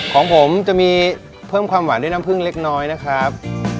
ของผมจะมีเพิ่มความหวานด้วยน้ำผึ้งเล็กน้อยนะครับ